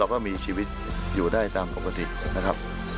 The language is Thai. ก็มีชีวิตอยู่ได้ตามปกตินะครับ